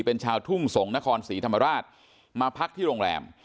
เป็นชาวทุ่งสงศ์นครศรีธรรมราชมาพักที่โรงแรม